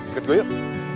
ikut gue yuk